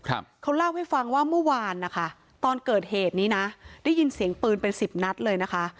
ครับเขาเล่าให้ฟังว่าเมื่อวานนะคะตอนเกิดเหตุนี้นะได้ยินเสียงปืนเป็นสิบนัดเลยนะคะ